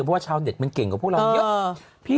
เพราะว่าชาวเน็ตมันเก่งกว่าพวกเราเยอะ